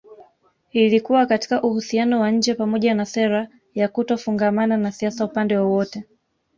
Ilikuwa katika uhusiano wa nje pamoja na sera ya kutofungamana na siasa upande wowote